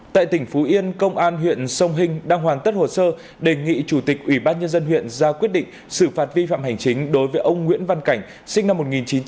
tại tỉnh phú yên công an huyện sông hình đang hoàn tất hồ sơ đề nghị chủ tịch ủy ban nhân dân huyện ra quyết định xử phạt vi phạm hành chính đối với ông nguyễn văn cảnh sinh năm một nghìn chín trăm tám mươi